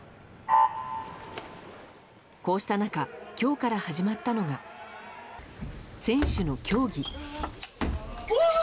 こうした中今日から始まったのが選手の競技。